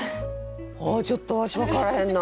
ちょっとわし分からへんな。